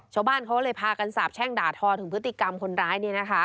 ชาวบ้านเขาก็เลยพากันสาบแช่งด่าทอถึงพฤติกรรมคนร้าย